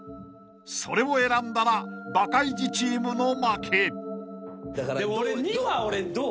［それを選んだらバカイジチームの負け］でも俺。